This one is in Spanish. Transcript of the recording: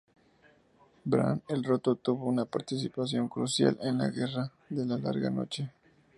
Bran el Roto tuvo una participación crucial en la guerra de la larga noche.